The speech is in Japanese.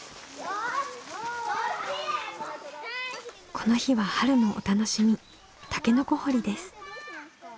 この日は春のお楽しみタケノコ掘りです。